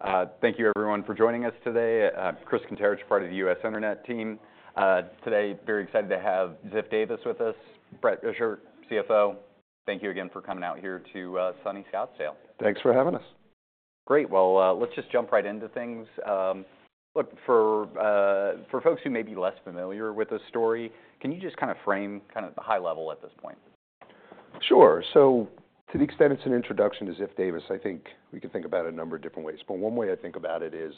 Great. Thank you everyone for joining us today. Chris Kuntarich, part of the U.S. Internet team. Today very excited to have Ziff Davis with us, Bret Richter, CFO. Thank you again for coming out here to Scottsdale. Thanks for having us. Great. Well, let's just jump right into things. Look, for folks who may be less familiar with this story, can you just kinda frame, kinda at the high level at this point? Sure. So to the extent it's an introduction to Ziff Davis, I think we can think about it a number of different ways. But one way I think about it is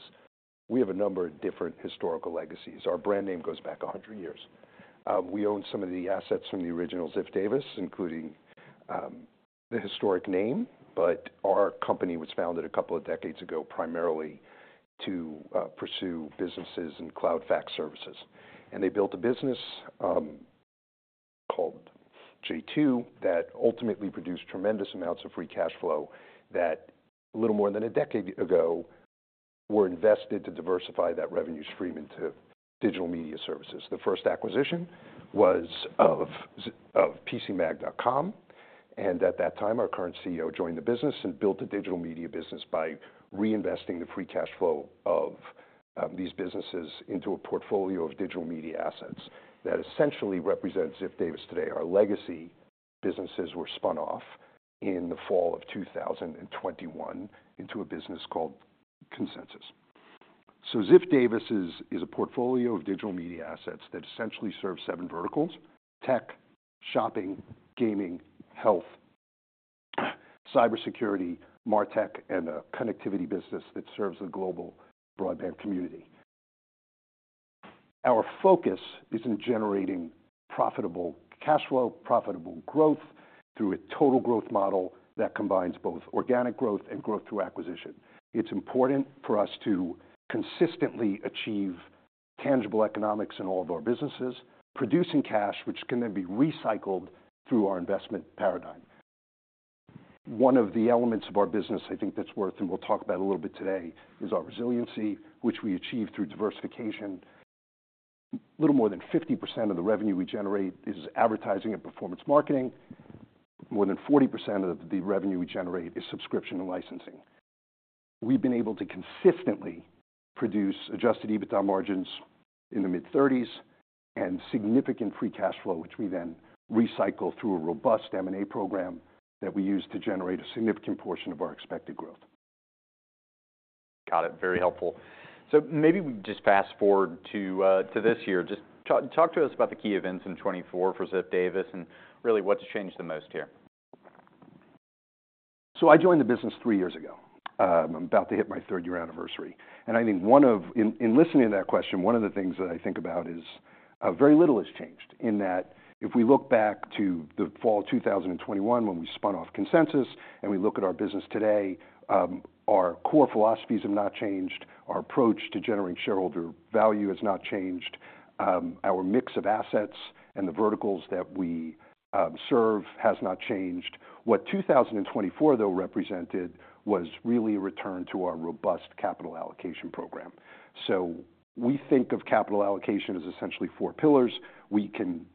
we have a number of different historical legacies. Our brand name goes back a hundred years. We own some of the assets from the original Ziff Davis, including the historic name. But our company was founded a couple of decades ago primarily to pursue businesses and cloud fax services. And they built a business called J2 that ultimately produced tremendous amounts of free cash flow that a little more than a decade ago were invested to diversify that revenue stream into digital media services. The first acquisition was of Ziff Davis of PCMag.com. At that time, our current CEO joined the business and built a digital media business by reinvesting the free cash flow of these businesses into a portfolio of digital media assets that essentially represents Ziff Davis today. Our legacy businesses were spun off in the fall of 2021 into a business called Consensus. Ziff Davis is a portfolio of digital media assets that essentially serves seven verticals: tech, shopping, gaming, health, cybersecurity, MarTech, and a connectivity business that serves the global broadband community. Our focus is in generating profitable cash flow, profitable growth through a total growth model that combines both organic growth and growth through acquisition. It's important for us to consistently achieve tangible economics in all of our businesses, producing cash, which can then be recycled through our investment paradigm. One of the elements of our business, I think, that's worth, and we'll talk about a little bit today, is our resiliency, which we achieve through diversification. A little more than 50% of the revenue we generate is advertising and performance marketing. More than 40% of the revenue we generate is subscription and licensing. We've been able to consistently produce Adjusted EBITDA margins in the mid-30s and significant free cash flow, which we then recycle through a robust M&A program that we use to generate a significant portion of our expected growth. Got it. Very helpful. So maybe we just fast forward to this here. Just talk to us about the key events in 2024 for Ziff Davis and really what's changed the most here. So I joined the business three years ago. I'm about to hit my third year anniversary. And I think, in listening to that question, one of the things that I think about is very little has changed in that if we look back to the fall 2021 when we spun off Consensus and we look at our business today, our core philosophies have not changed. Our approach to generating shareholder value has not changed. Our mix of assets and the verticals that we serve has not changed. What 2024, though, represented was really a return to our robust capital allocation program. So we think of capital allocation as essentially four pillars. We can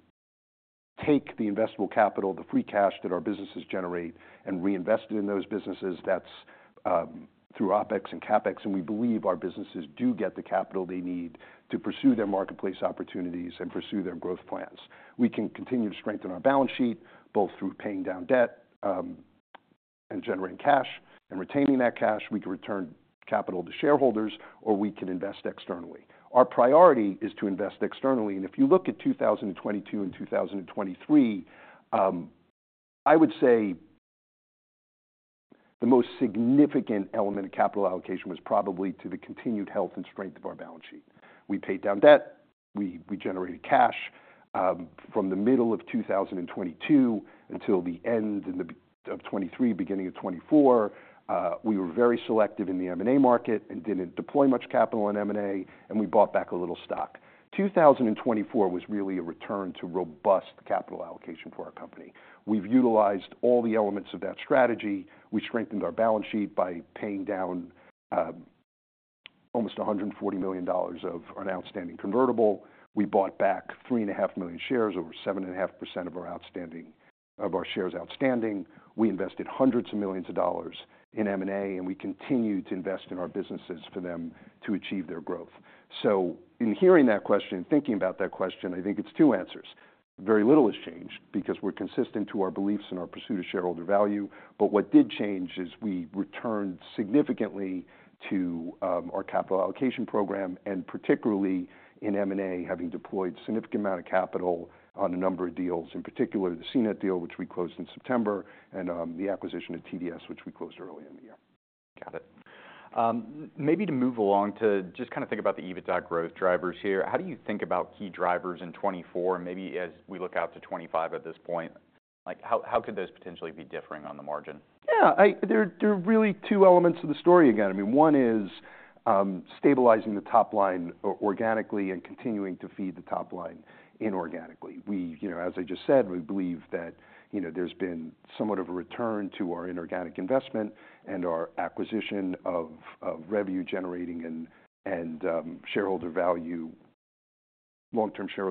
take the investable capital, the free cash that our businesses generate, and reinvest it in those businesses. That's through OpEx and CapEx. We believe our businesses do get the capital they need to pursue their marketplace opportunities and pursue their growth plans. We can continue to strengthen our balance sheet both through paying down debt, and generating cash and retaining that cash. We can return capital to shareholders, or we can invest externally. Our priority is to invest externally. If you look at 2022 and 2023, I would say the most significant element of capital allocation was probably to the continued health and strength of our balance sheet. We paid down debt. We generated cash, from the middle of 2022 until the end of 2023, beginning of 2024. We were very selective in the M&A market and didn't deploy much capital in M&A, and we bought back a little stock. 2024 was really a return to robust capital allocation for our company. We've utilized all the elements of that strategy. We strengthened our balance sheet by paying down almost $140 million of an outstanding convertible. We bought back 3.5 million shares, over 7.5% of our outstanding shares. We invested hundreds of millions of dollars in M&A, and we continue to invest in our businesses for them to achieve their growth. So in hearing that question and thinking about that question, I think it's two answers. Very little has changed because we're consistent to our beliefs and our pursuit of shareholder value. But what did change is we returned significantly to our capital allocation program and particularly in M&A, having deployed a significant amount of capital on a number of deals, in particular the CNET deal, which we closed in September, and the acquisition of TDS, which we closed early in the year. Got it. Maybe to move along to just kinda think about the EBITDA growth drivers here, how do you think about key drivers in 2024 and maybe as we look out to 2025 at this point? Like, how could those potentially be differing on the margin? Yeah. There are really two elements of the story again. I mean, one is stabilizing the top line organically and continuing to feed the top line inorganically. We, you know, as I just said, we believe that, you know, there's been somewhat of a return to our inorganic investment and our acquisition of revenue-generating and long-term shareholder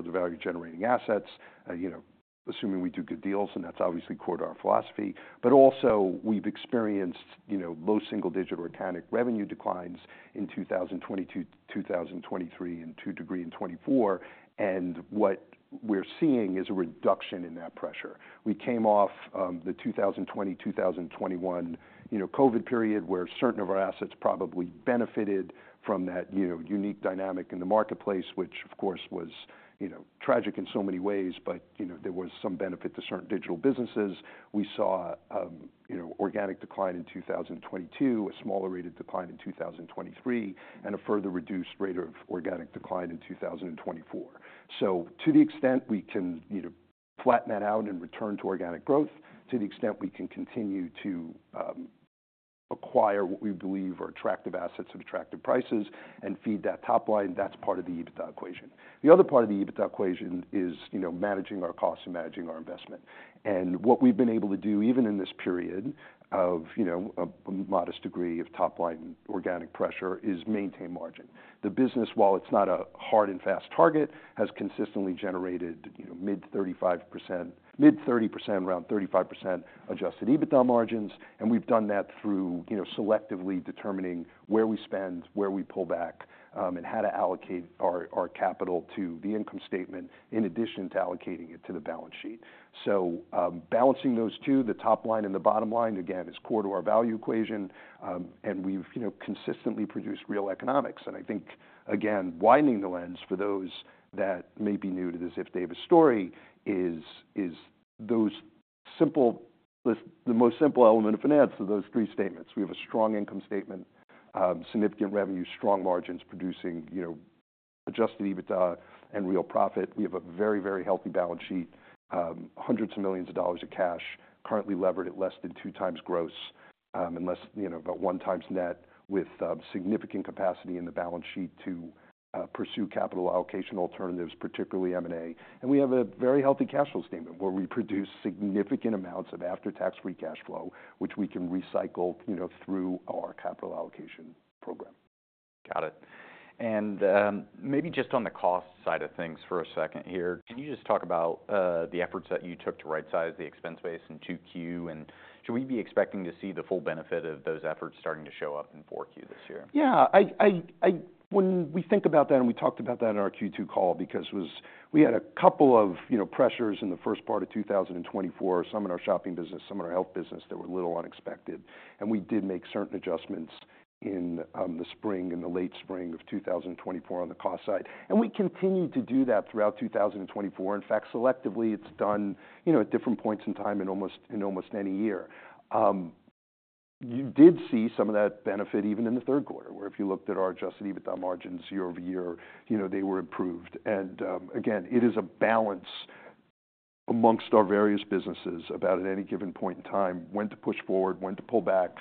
value-generating assets, you know, assuming we do good deals. And that's obviously core to our philosophy. But also, we've experienced, you know, low single-digit organic revenue declines in 2022, 2023, and to a degree in 2024. And what we're seeing is a reduction in that pressure. We came off the 2020, 2021, you know, COVID period where certain of our assets probably benefited from that, you know, unique dynamic in the marketplace, which, of course, was, you know, tragic in so many ways. But, you know, there was some benefit to certain digital businesses. We saw, you know, organic decline in 2022, a smaller rate decline in 2023, and a further reduced rate of organic decline in 2024. So to the extent we can, you know, flatten that out and return to organic growth, to the extent we can continue to acquire what we believe are attractive assets at attractive prices and feed that top line, that's part of the EBITDA equation. The other part of the EBITDA equation is, you know, managing our costs and managing our investment. And what we've been able to do, even in this period of, you know, a modest degree of top line organic pressure, is maintain margin. The business, while it's not a hard and fast target, has consistently generated, you know, mid-35%, mid-30%, around 35% adjusted EBITDA margins. And we've done that through, you know, selectively determining where we spend, where we pull back, and how to allocate our capital to the income statement in addition to allocating it to the balance sheet. So, balancing those two, the top line and the bottom line, again, is core to our value equation. And we've, you know, consistently produced real economics. And I think, again, widening the lens for those that may be new to the Ziff Davis story is those simple list, the most simple element of finance of those three statements. We have a strong income statement, significant revenue, strong margins producing, you know, adjusted EBITDA and real profit. We have a very, very healthy balance sheet, hundreds of millions of dollars of cash currently levered at less than two times gross, and less, you know, about one times net with significant capacity in the balance sheet to pursue capital allocation alternatives, particularly M&A, and we have a very healthy cash flow statement where we produce significant amounts of after-tax free cash flow, which we can recycle, you know, through our capital allocation program. Got it. And, maybe just on the cost side of things for a second here, can you just talk about, the efforts that you took to right-size the expense base in Q2? And should we be expecting to see the full benefit of those efforts starting to show up in Q4 this year? Yeah. I when we think about that, and we talked about that in our Q2 call because it was we had a couple of, you know, pressures in the first part of 2024, some in our shopping business, some in our health business that were a little unexpected. And we did make certain adjustments in the spring and the late spring of 2024 on the cost side. And we continued to do that throughout 2024. In fact, selectively, it's done, you know, at different points in time in almost any year. You did see some of that benefit even in the third quarter where if you looked at our adjusted EBITDA margins year over year, you know, they were improved. Again, it is a balance amongst our various businesses about at any given point in time, when to push forward, when to pull back,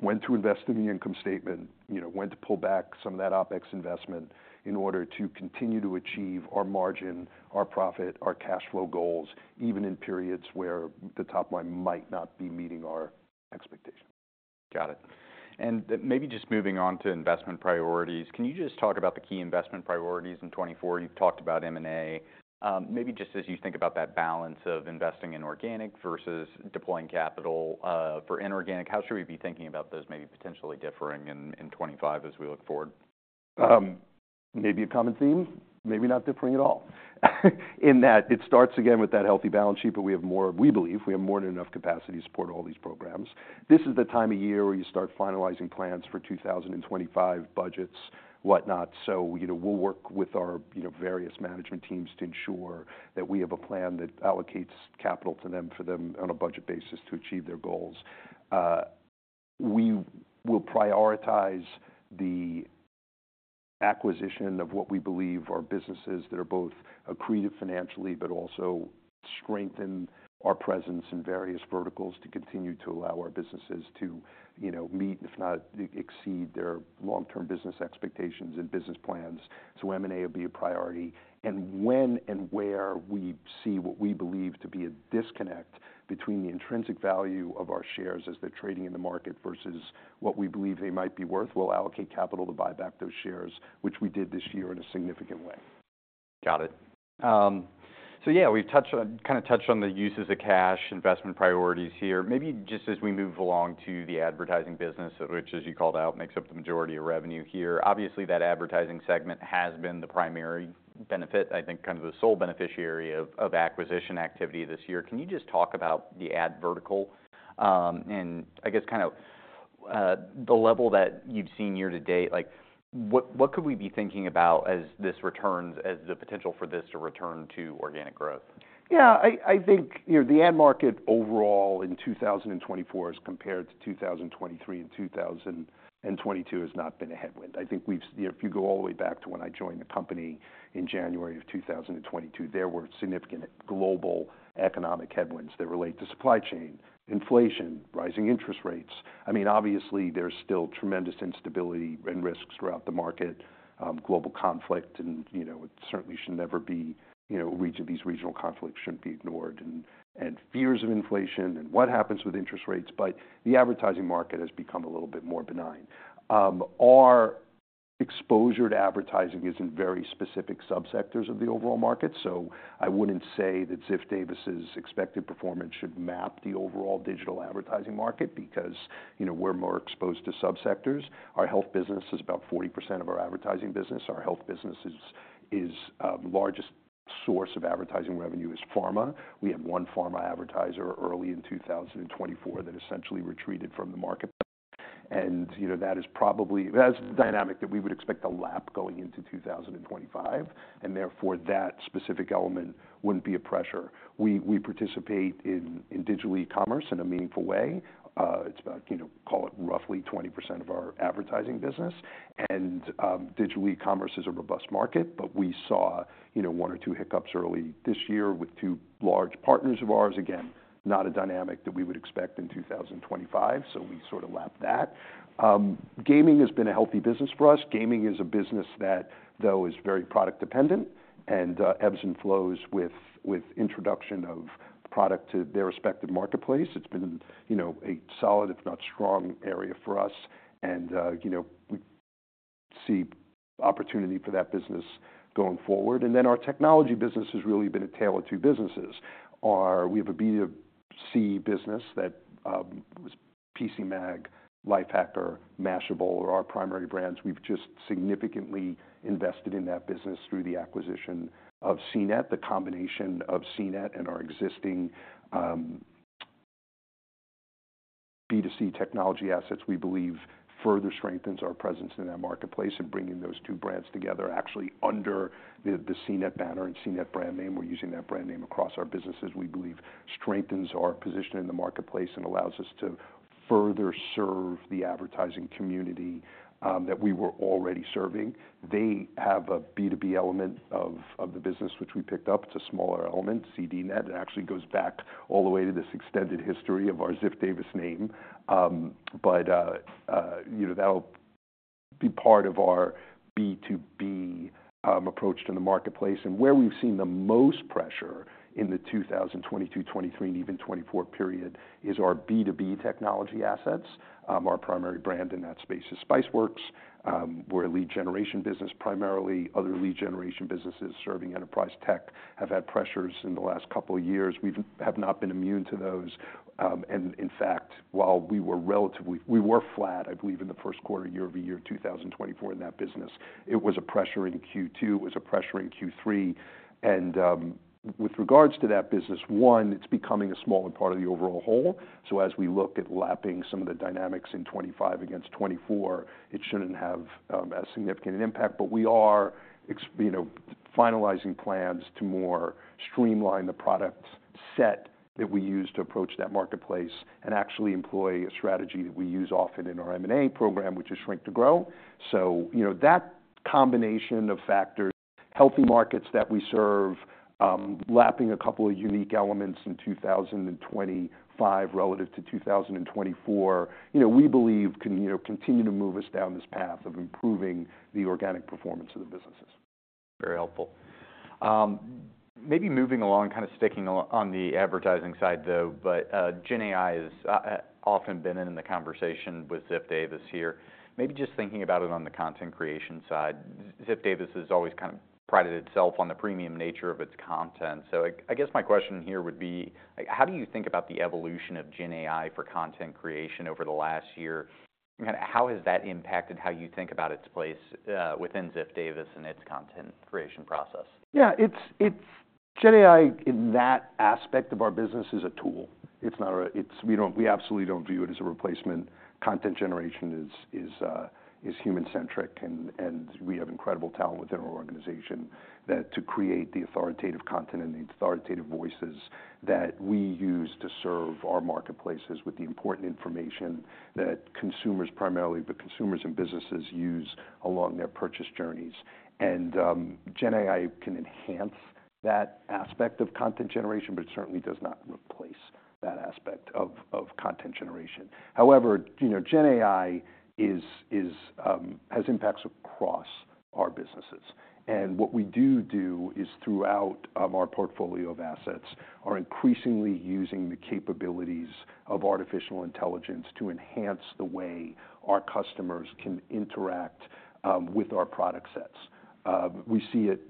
when to invest in the income statement, you know, when to pull back some of that OPEX investment in order to continue to achieve our margin, our profit, our cash flow goals, even in periods where the top line might not be meeting our expectation. Got it. And maybe just moving on to investment priorities, can you just talk about the key investment priorities in 2024? You've talked about M&A. Maybe just as you think about that balance of investing in organic versus deploying capital, for inorganic, how should we be thinking about those maybe potentially differing in 2025 as we look forward? Maybe a common theme, maybe not differing at all, in that it starts again with that healthy balance sheet, but we believe we have more than enough capacity to support all these programs. This is the time of year where you start finalizing plans for 2025 budgets, whatnot. So, you know, we'll work with our, you know, various management teams to ensure that we have a plan that allocates capital to them on a budget basis to achieve their goals. We will prioritize the acquisition of what we believe are businesses that are both accretive financially but also strengthen our presence in various verticals to continue to allow our businesses to, you know, meet, if not exceed, their long-term business expectations and business plans. So M&A will be a priority. And when and where we see what we believe to be a disconnect between the intrinsic value of our shares as they're trading in the market versus what we believe they might be worth, we'll allocate capital to buy back those shares, which we did this year in a significant way. Got it. So yeah, we've touched on kinda the uses of cash investment priorities here. Maybe just as we move along to the advertising business, which, as you called out, makes up the majority of revenue here, obviously that advertising segment has been the primary benefit, I think, kind of the sole beneficiary of acquisition activity this year. Can you just talk about the ad vertical, and I guess kind of the level that you've seen year to date? Like, what could we be thinking about as this returns as the potential for this to return to organic growth? Yeah. I, I think, you know, the ad market overall in 2024 as compared to 2023 and 2022 has not been a headwind. I think we've, you know, if you go all the way back to when I joined the company in January of 2022, there were significant global economic headwinds that relate to supply chain, inflation, rising interest rates. I mean, obviously there's still tremendous instability and risks throughout the market, global conflict. And, you know, it certainly should never be, you know, regional these regional conflicts shouldn't be ignored and, and fears of inflation and what happens with interest rates. But the advertising market has become a little bit more benign. Our exposure to advertising is in very specific subsectors of the overall market. So I wouldn't say that Ziff Davis's expected performance should map the overall digital advertising market because, you know, we're more exposed to subsectors. Our health business is about 40% of our advertising business. Our health business is largest source of advertising revenue is pharma. We had one pharma advertiser early in 2024 that essentially retreated from the market. You know, that is probably that's dynamic that we would expect to lap going into 2025. Therefore, that specific element wouldn't be a pressure. We participate in digital e-commerce in a meaningful way. It's about, you know, call it roughly 20% of our advertising business. Digital e-commerce is a robust market, but we saw, you know, one or two hiccups early this year with two large partners of ours. Again, not a dynamic that we would expect in 2025, so we sort of lapped that. Gaming has been a healthy business for us. Gaming is a business that, though, is very product dependent and ebbs and flows with introduction of product to their respective marketplace. It's been, you know, a solid, if not strong area for us. And, you know, we see opportunity for that business going forward. And then our technology business has really been a tale of two businesses. We have a B2C business that is PCMag, Lifehacker, Mashable, our primary brands. We've just significantly invested in that business through the acquisition of CNET. The combination of CNET and our existing B2C technology assets, we believe, further strengthens our presence in that marketplace. And bringing those two brands together, actually under the CNET banner and CNET brand name, we're using that brand name across our businesses, we believe strengthens our position in the marketplace and allows us to further serve the advertising community that we were already serving. They have a B2B element of, of the business, which we picked up. It's a smaller element, ZDNET. It actually goes back all the way to this extended history of our Ziff Davis name. But, you know, that'll be part of our B2B approach to the marketplace. And where we've seen the most pressure in the 2022, 2023, and even 2024 period is our B2B technology assets. Our primary brand in that space is Spiceworks. We're a lead generation business primarily. Other lead generation businesses serving enterprise tech have had pressures in the last couple of years. We have not been immune to those. And in fact, while we were relatively flat, I believe, in the first quarter of 2024 in that business, it was a pressure in Q2. It was a pressure in Q3. With regards to that business, one, it's becoming a smaller part of the overall whole. So as we look at lapping some of the dynamics in 2025 against 2024, it shouldn't have as significant an impact. But we are, you know, finalizing plans to more streamline the product set that we use to approach that marketplace and actually employ a strategy that we use often in our M&A program, which is shrink to grow. You know, that combination of factors, healthy markets that we serve, lapping a couple of unique elements in 2025 relative to 2024, you know, we believe can, you know, continue to move us down this path of improving the organic performance of the businesses. Very helpful. Maybe moving along, kinda sticking on the advertising side though, but GenAI has often been in the conversation with Ziff Davis here. Maybe just thinking about it on the content creation side, Ziff Davis has always kinda prided itself on the premium nature of its content. So I guess my question here would be, like, how do you think about the evolution of GenAI for content creation over the last year? And kinda how has that impacted how you think about its place within Ziff Davis and its content creation process? Yeah. It's GenAI in that aspect of our business is a tool. It's not. We absolutely don't view it as a replacement. Content generation is human-centric. And we have incredible talent within our organization that to create the authoritative content and the authoritative voices that we use to serve our marketplaces with the important information that consumers primarily, but consumers and businesses use along their purchase journeys. And GenAI can enhance that aspect of content generation, but it certainly does not replace that aspect of content generation. However, you know, GenAI has impacts across our businesses. And what we do is throughout our portfolio of assets are increasingly using the capabilities of artificial intelligence to enhance the way our customers can interact with our product sets. We see it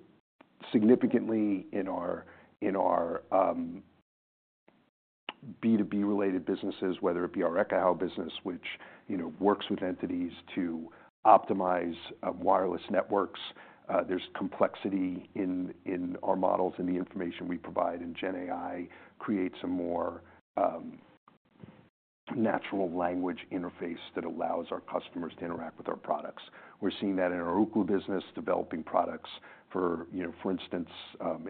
significantly in our B2B-related businesses, whether it be our Ekahau business, which, you know, works with entities to optimize wireless networks. There's complexity in our models and the information we provide. And GenAI creates a more natural language interface that allows our customers to interact with our products. We're seeing that in our Ookla business, developing products for, you know, for instance,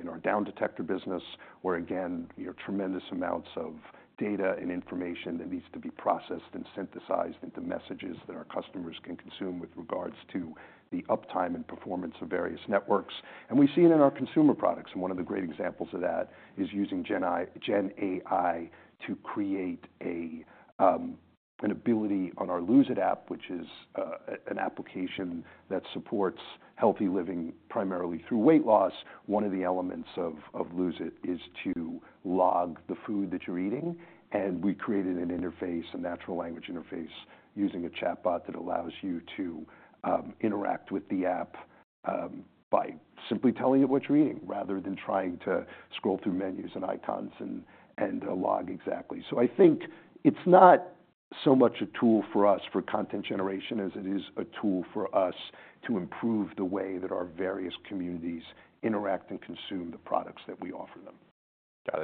in our Downdetector business, where, again, you know, tremendous amounts of data and information that needs to be processed and synthesized into messages that our customers can consume with regards to the uptime and performance of various networks. And we see it in our consumer products. And one of the great examples of that is using GenAI to create an ability on our Lose It! app, which is an application that supports healthy living primarily through weight loss. One of the elements of Lose It is to log the food that you're eating. And we created an interface, a natural language interface using a chatbot that allows you to interact with the app, by simply telling it what you're eating rather than trying to scroll through menus and icons and log exactly. So I think it's not so much a tool for us for content generation as it is a tool for us to improve the way that our various communities interact and consume the products that we offer them. Got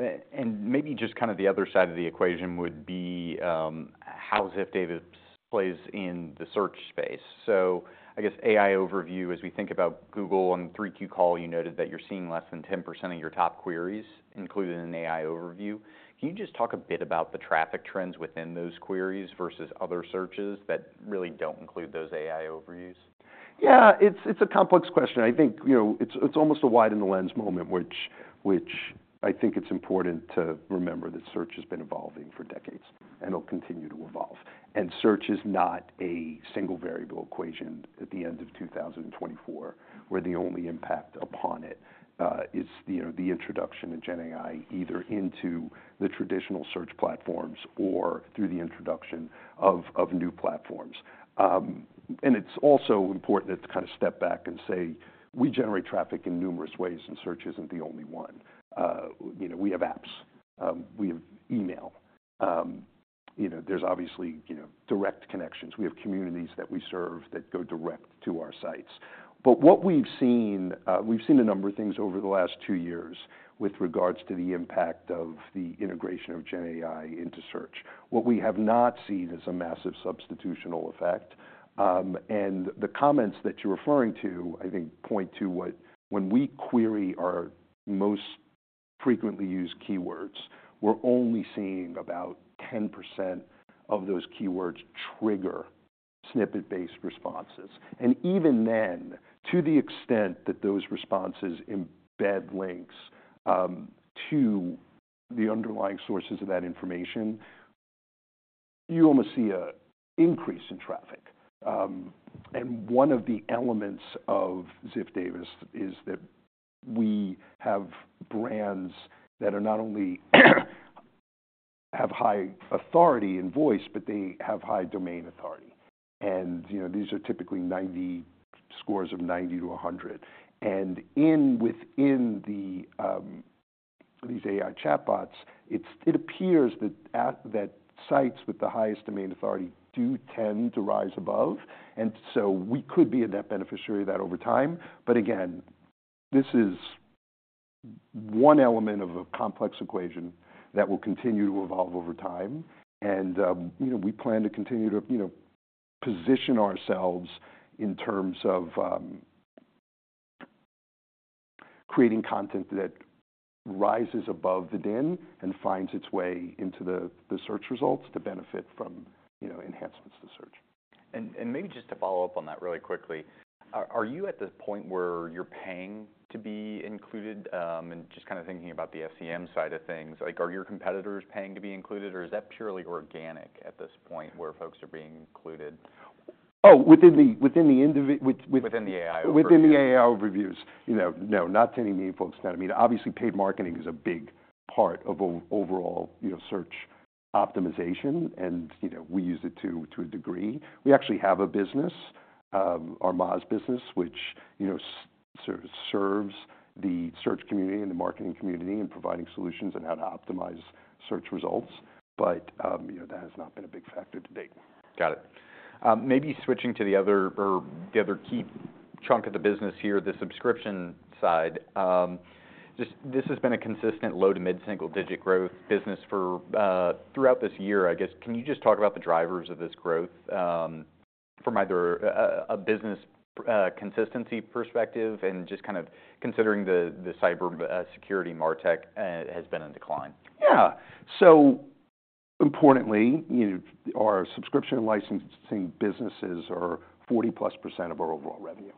it, and maybe just kinda the other side of the equation would be how Ziff Davis plays in the search space. So I guess AI Overview. As we think about Google on the 3Q call, you noted that you're seeing less than 10% of your top queries included in AI Overview. Can you just talk a bit about the traffic trends within those queries versus other searches that really don't include those AI Overviews? Yeah. It's a complex question. I think, you know, it's almost a widen the lens moment, which I think it's important to remember that search has been evolving for decades and will continue to evolve. Search is not a single variable equation at the end of 2024 where the only impact upon it is, you know, the introduction of GenAI either into the traditional search platforms or through the introduction of new platforms. It's also important to kinda step back and say we generate traffic in numerous ways and search isn't the only one. You know, we have apps. We have email. You know, there's obviously, you know, direct connections. We have communities that we serve that go direct to our sites. But what we've seen, we've seen a number of things over the last two years with regards to the impact of the integration of GenAI into search. What we have not seen is a massive substitutional effect. And the comments that you're referring to, I think, point to what when we query our most frequently used keywords, we're only seeing about 10% of those keywords trigger snippet-based responses. And even then, to the extent that those responses embed links to the underlying sources of that information, you almost see an increase in traffic. And one of the elements of Ziff Davis is that we have brands that are not only have high authority in voice, but they have high domain authority. And, you know, these are typically 90 scores of 90-100. And within these AI chatbots, it appears that sites with the highest domain authority do tend to rise above. And so we could be a net beneficiary of that over time. But again, this is one element of a complex equation that will continue to evolve over time. And, you know, we plan to continue to, you know, position ourselves in terms of creating content that rises above the din and finds its way into the search results to benefit from, you know, enhancements to search. Maybe just to follow up on that really quickly, are you at the point where you're paying to be included, and just kinda thinking about the SEM side of things? Like, are your competitors paying to be included or is that purely organic at this point where folks are being included? Oh, within the individual with. Within the AI Overviews. Within the AI Overviews. You know, no, not to any meaningful extent. I mean, obviously paid marketing is a big part of overall, you know, search optimization. And, you know, we use it to a degree. We actually have a business, our Moz business, which, you know, serves the search community and the marketing community and providing solutions on how to optimize search results. But, you know, that has not been a big factor to date. Got it. Maybe switching to the other key chunk of the business here, the subscription side. Just this has been a consistent low to mid-single digit growth business for throughout this year, I guess. Can you just talk about the drivers of this growth, from either a business consistency perspective and just kind of considering the cyber security martech has been in decline? Yeah. So importantly, you know, our subscription licensing businesses are 40-plus% of our overall revenue.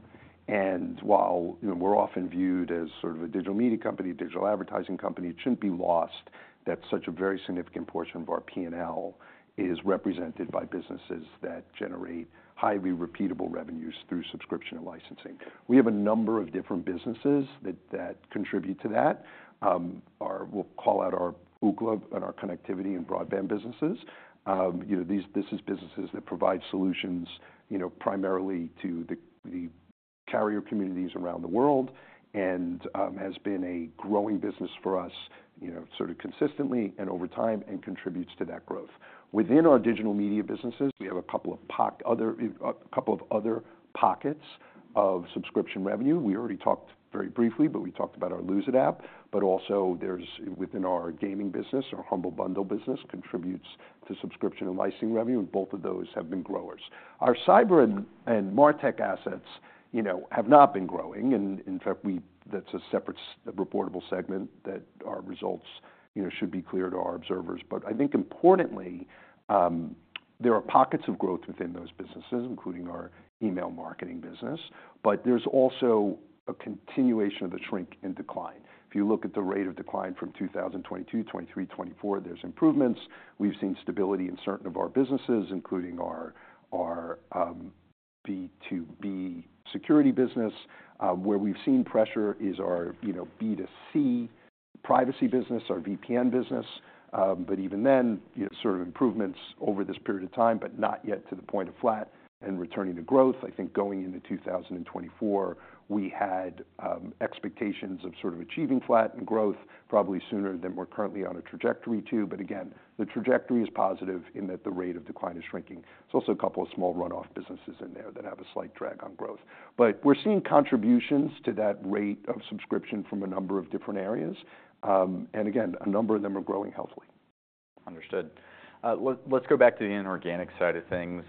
And while, you know, we're often viewed as sort of a digital media company, digital advertising company, it shouldn't be lost that such a very significant portion of our P&L is represented by businesses that generate highly repeatable revenues through subscription and licensing. We have a number of different businesses that contribute to that. We'll call out our Ookla and our connectivity and broadband businesses. You know, these businesses provide solutions, you know, primarily to the carrier communities around the world and has been a growing business for us, you know, sort of consistently and over time and contributes to that growth. Within our digital media businesses, we have a couple of other pockets of subscription revenue. We already talked very briefly, but we talked about our Lose It app. But also there's within our gaming business, our Humble Bundle business contributes to subscription and licensing revenue. And both of those have been growers. Our cyber and martech assets, you know, have not been growing. And in fact, we, that's a separate reportable segment that our results, you know, should be clear to our observers. But I think importantly, there are pockets of growth within those businesses, including our email marketing business. But there's also a continuation of the shrink and decline. If you look at the rate of decline from 2022, 2023, 2024, there's improvements. We've seen stability in certain of our businesses, including our B2B security business, where we've seen pressure is our, you know, B2C privacy business, our VPN business. But even then, you know, sort of improvements over this period of time, but not yet to the point of flat and returning to growth. I think going into 2024, we had expectations of sort of achieving flat and growth probably sooner than we're currently on a trajectory to. But again, the trajectory is positive in that the rate of decline is shrinking. There's also a couple of small runoff businesses in there that have a slight drag on growth. But we're seeing contributions to that rate of subscription from a number of different areas. And again, a number of them are growing healthily. Understood. Let's go back to the inorganic side of things.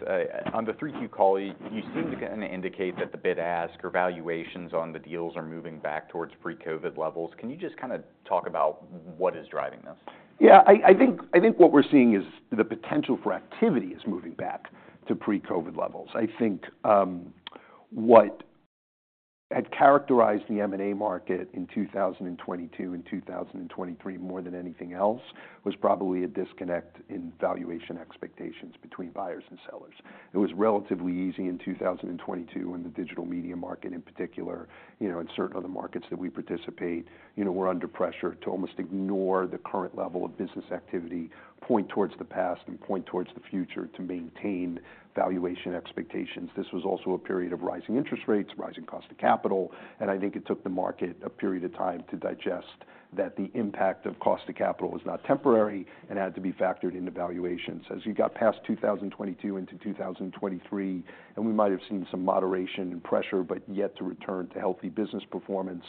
On the 3Q call, you seem to kinda indicate that the bid-ask or valuations on the deals are moving back towards pre-COVID levels. Can you just kinda talk about what is driving this? Yeah. I think what we're seeing is the potential for activity is moving back to pre-COVID levels. I think what had characterized the M&A market in 2022 and 2023 more than anything else was probably a disconnect in valuation expectations between buyers and sellers. It was relatively easy in 2022 when the digital media market in particular, you know, and certain other markets that we participate, you know, were under pressure to almost ignore the current level of business activity, point towards the past and point towards the future to maintain valuation expectations. This was also a period of rising interest rates, rising cost of capital. And I think it took the market a period of time to digest that the impact of cost of capital was not temporary and had to be factored into valuations. As you got past 2022 into 2023, and we might've seen some moderation and pressure, but yet to return to healthy business performance,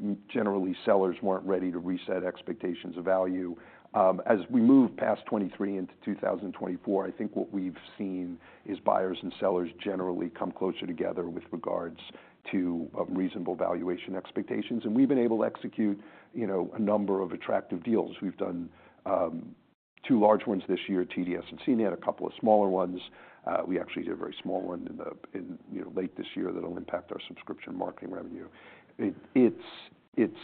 in general, sellers weren't ready to reset expectations of value. As we move past 2023 into 2024, I think what we've seen is buyers and sellers generally come closer together with regards to reasonable valuation expectations. We've been able to execute, you know, a number of attractive deals. We've done two large ones this year, TDS and CNET, a couple of smaller ones. We actually did a very small one in, you know, late this year that'll impact our subscription marketing revenue. It's,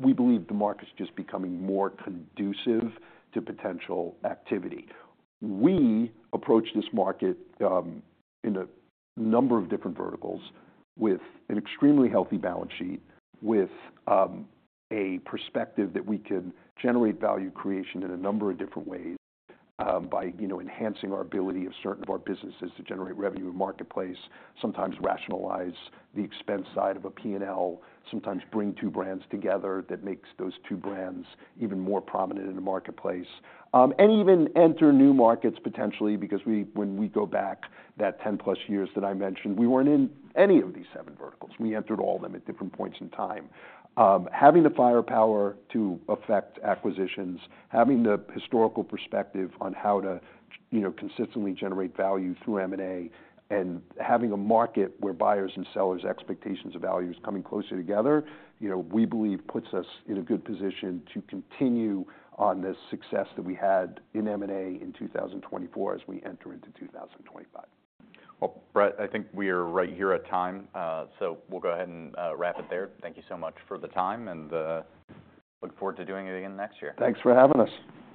we believe, the market's just becoming more conducive to potential activity. We approach this market in a number of different verticals with an extremely healthy balance sheet with a perspective that we can generate value creation in a number of different ways by you know enhancing our ability of certain of our businesses to generate revenue in marketplace sometimes rationalize the expense side of a P&L sometimes bring two brands together that makes those two brands even more prominent in the marketplace and even enter new markets potentially because when we go back that 10 plus years that I mentioned we weren't in any of these seven verticals. We entered all of them at different points in time. Having the firepower to effect acquisitions, having the historical perspective on how to, you know, consistently generate value through M&A and having a market where buyers and sellers' expectations of value is coming closer together, you know, we believe puts us in a good position to continue on this success that we had in M&A in 2024 as we enter into 2025. Well, Bret, I think we are right here at time. So we'll go ahead and wrap it there. Thank you so much for the time and look forward to doing it again next year. Thanks for having us.